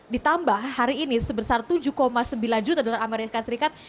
ditambah hari ini sebesar tujuh sembilan juta dolar amerika serikat